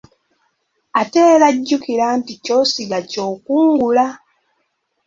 Ate era jjukira nti ky'osiga ky'okungula.